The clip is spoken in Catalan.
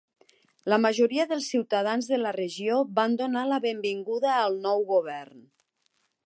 La majoria dels ciutadans de la regió van donar la benvinguda al nou govern.